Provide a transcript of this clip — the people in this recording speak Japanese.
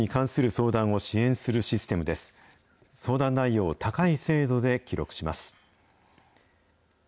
相談内容を高い精度で記録します。